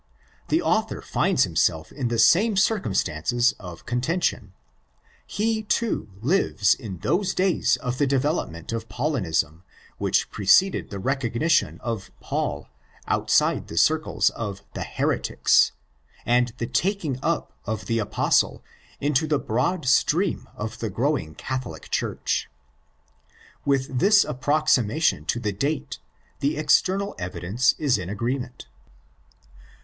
The author finds himself in the same circumstances of contention. He, too, lives in those days of the development of Paulinism which preceded the recognition of '' Paul'' outside the circles of the '' heretics' and the taking up of '' the Apostle " into the broad stream of the growing Catholic Church. With this approximation to the date the external evidence is in agreement.